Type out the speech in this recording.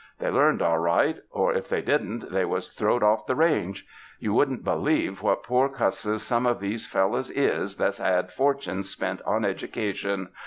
They learned all right, or if they didn't, they was throwed off the range. You wouldn't believe what poor cusses some of these fel lows is that's had fortunes spent on education.